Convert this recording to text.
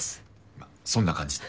まそんな感じで。